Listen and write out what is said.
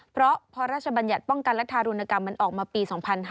เพราะพระราชบัญญัติป้องกันและทารุณกรรมมันออกมาปี๒๕๕๙